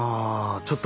ちょっと。